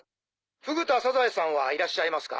フグ田サザエさんはいらっしゃいますか？